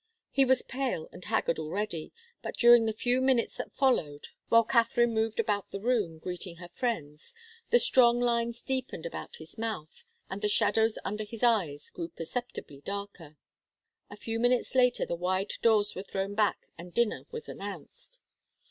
He was pale and haggard already, but during the few minutes that followed, while Katharine moved about the room, greeting her friends, the strong lines deepened about his mouth and the shadows under his eyes grew perceptibly darker. A few minutes later the wide doors were thrown back and dinner was announced.